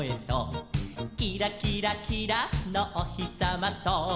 「キラキラキラのおひさまと」